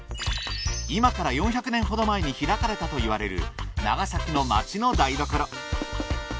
今から４００年ほど前に開かれたといわれる長崎の町の台所。